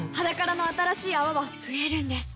「ｈａｄａｋａｒａ」の新しい泡は増えるんです